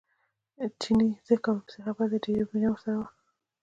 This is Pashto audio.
چیني ځکه ورپسې خپه دی ډېره یې مینه ورسره وه.